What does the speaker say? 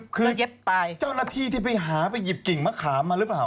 เจ้าหน้าที่ที่ไปหาไปหยิบกิ่งมะแขมมาหรือเปล่า